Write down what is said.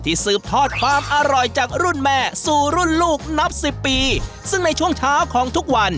สืบทอดความอร่อยจากรุ่นแม่สู่รุ่นลูกนับสิบปีซึ่งในช่วงเช้าของทุกวัน